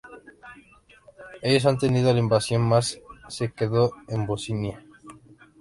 Ellos han tenido la invasión más se quedó en Bosnia.